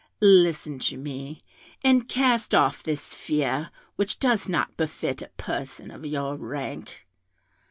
Listen to me, and cast off this fear, which does not befit a person of your rank.